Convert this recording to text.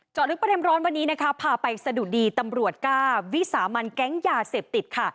ลึกประเด็นร้อนวันนี้นะคะพาไปสะดุดีตำรวจกล้าวิสามันแก๊งยาเสพติดค่ะ